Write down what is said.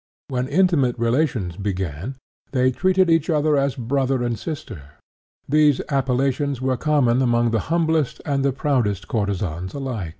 When intimate relations began, they treated each other as 'brother' and 'sister.' These appellations were common among the humblest and the proudest courtesans alike."